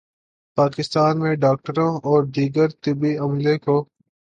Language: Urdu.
پاکستان میں ڈاکٹروں اور دیگر طبی عملے کو